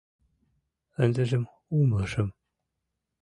Ындыжым умылышым.